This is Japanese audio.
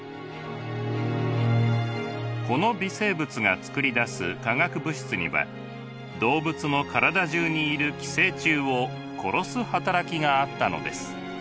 この微生物が作り出す化学物質には動物の体中にいる寄生虫を殺す働きがあったのです。